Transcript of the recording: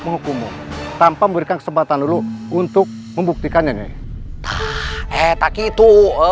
menghukummu tanpa memberikan kesempatan dulu untuk membuktikannya eh tak gitu